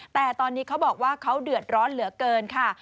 แต่ตอนนี้เขาบอกว่าเขาเดือดร้อนเหลือเกินค่ะ